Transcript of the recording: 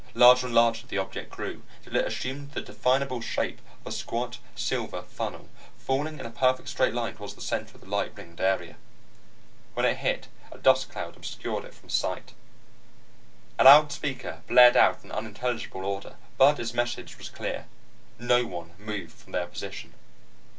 Larger and larger the object grew, until it assumed the definable shape of a squat silver funnel, falling in a perfect straight line towards the center of the light ringed area. When it hit, a dust cloud obscured it from sight. A loudspeaker blared out an unintelligible order, but its message was clear. No one moved from their position.